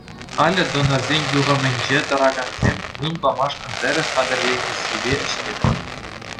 Халӗ донорсен юхӑмӗнче тӑракансем юн памашкӑн тӗрӗс хатӗрленнессипе ӗҫлетӗп.